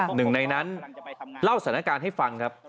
หนึ่งในนั้นเล่าสถานการณ์ให้ฟังครับ